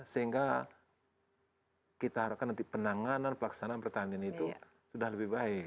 sehingga kita harapkan nanti penanganan pelaksanaan pertanian itu sudah lebih baik